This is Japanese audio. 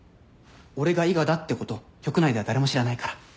俺が伊賀だってこと局内では誰も知らないから。